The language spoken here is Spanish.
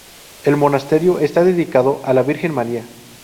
El monasterio está dedicado a la Virgen María.